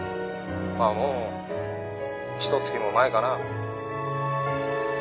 まあもうひとつきも前かな。